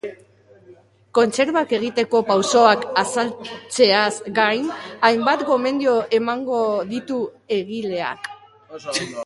Kontserbak egiteko pausoak azaltzeaz gain, hainbat gomendio emango ditu egileak.